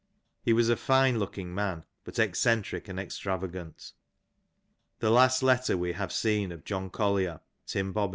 He was a fine looking man, but eccentric and extravagant. The last letter we have seen of John Collier {T. B.)